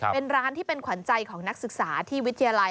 เป็นร้านที่เป็นขวัญใจของนักศึกษาที่วิทยาลัย